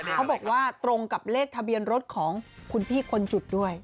เขาบอกว่าตรงกับเลขทะเบียนรถของคุณพี่คนจุดด้วย